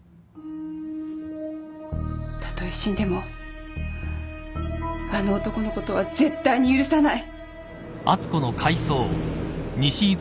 たとえ死んでもあの男のことは絶対に許さない。